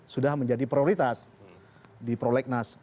sudah menjadi prioritas di prolegnas